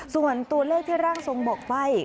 ส่วนตัวเลขที่ร่างทรงบอกไป